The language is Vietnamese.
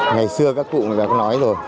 ngày xưa các cụ đã có nói rồi